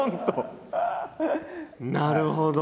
なるほど！